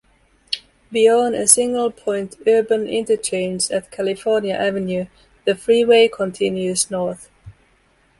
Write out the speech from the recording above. Beyond a single-point urban interchange at California Avenue, the freeway continues north.